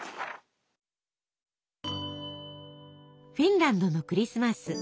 フィンランドのクリスマス。